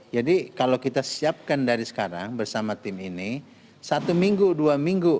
jadi kalau kita siapkan dari sekarang bersama tim ini satu minggu dua minggu